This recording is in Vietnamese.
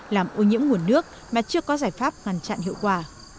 làm ô nhiễm nguồn nước mà chưa có giải pháp ngăn chặn hiệu quả